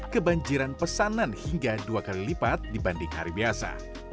kebanjiran pesanan hingga dua kali lipat dibanding hari biasa